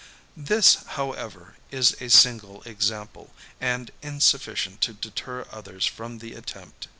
This, however, is a single example, and insufficient to deter others from the attempt.